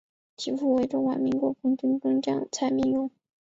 其父为中华民国空军中将蔡名永。